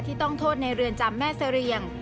ต้องโทษในเรือนจำแม่เสรียง